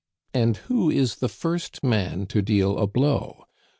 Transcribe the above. "And who is the first man to deal a blow?